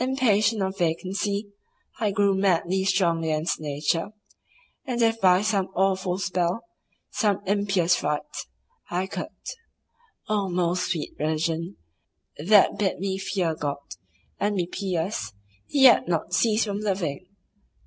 Impatient of vacancy, I grew madly strong against Nature, and if by some awful spell, some impious rite, I could—Oh most sweet Religion, that bid me fear God, and be pious, and yet not cease from loving!